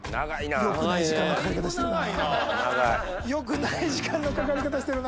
よくない時間のかかり方してるな。